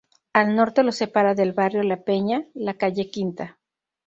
Al norte lo separa del barrio La Peña la calle Quinta.